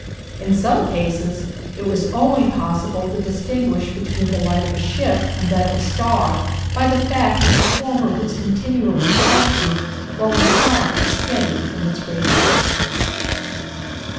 In some cases it was only possible to distinguish between the light of a ship and that of a star by the fact that the former was continually flashing while the star was steady in its radiance.